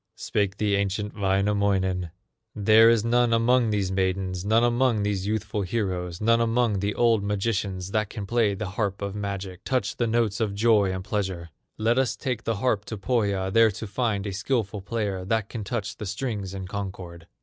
Spake the ancient Wainamoinen: "There is none among these maidens, None among these youthful heroes, None among the old magicians That can play the harp of magic, Touch the notes of joy and pleasure. Let us take the harp to Pohya, There to find a skillful player That can touch the strings in concord."